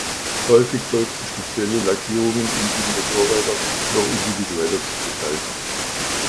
Häufig folgten spezielle Lackierungen, um die Motorräder noch individueller zu gestalten.